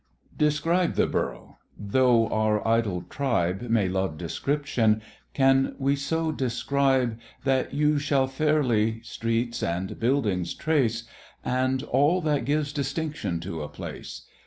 "DESCRIBE the Borough" though our idle tribe May love description, can we so describe, That you shall fairly streets and buildings trace, And all that gives distinction to a place?